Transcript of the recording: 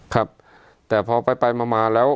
ครับแต่พอไปไปมามาแล้ว